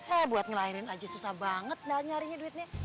eh buat ngelahirin aja susah banget nanya nyarin duitnya